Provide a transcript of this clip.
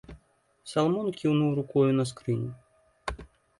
Саламон кіўнуў рукою на скрыню.